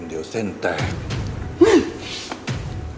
เดี๋ยวเส้นแตก